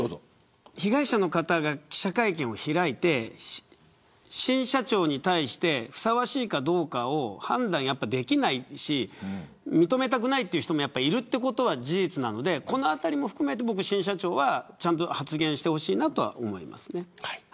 被害者の方が記者会見を開いて新社長に対してふさわしいかどうかを判断はできないし、認めたくないという人もいるということは事実なので、このあたりも含めて新社長はちゃんと発言してほしいと思いますね。